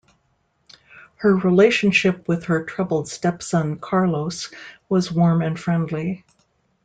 Her relationship with her troubled stepson Carlos was warm and friendly.